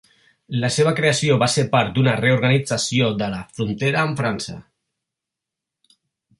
La seva creació va ser part d'una reorganització de la frontera amb França.